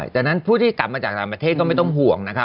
จากนั้นผู้ที่กลับมาจากต่างประเทศก็ไม่ต้องห่วงนะคะ